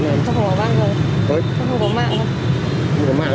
tôi không có mạng đâu